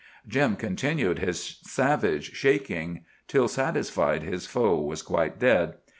Jim continued his savage shaking till satisfied his foe was quite dead.